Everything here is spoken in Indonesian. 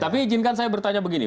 tapi izinkan saya bertanya begini